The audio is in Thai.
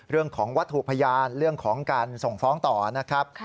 เรื่องของวัตถุพยานเรื่องของการส่งฟ้องต่อนะครับ